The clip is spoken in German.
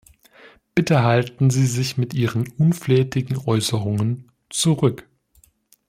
Bitte halten Sie sich mit Ihren unflätigen Äußerungen zurück!